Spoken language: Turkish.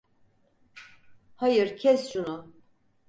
Hayır, kes şunu!